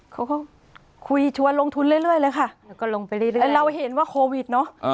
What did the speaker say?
เขาก็คุยชวนลงทุนเรื่อยเลยค่ะเราเห็นว่าโควิดเนาะ